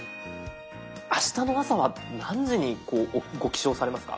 あしたの朝は何時にご起床されますか？